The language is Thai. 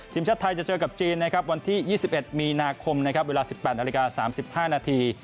ทีมชาติไทยจะเจอกับจีนนะครับวันที่๒๑มีนาคมนะครับเวลา๑๘นาฬิกา๓๕นาที